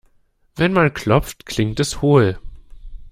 Wenn man klopft, klingt es hohl.